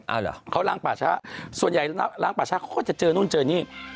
เอาเหรอเขาล้างป่าช้าส่วนใหญ่ล้างป่าช้าเขาก็จะเจอนู่นเจอนี่